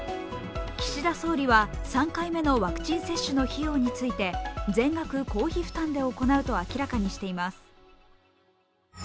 岸田総理は３回目のワクチン接種の費用について全額公費負担で行うと明らかにしています。